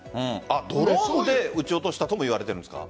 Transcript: ドローンで撃ち落としたともいわれているんですか？